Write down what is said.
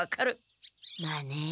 まあね。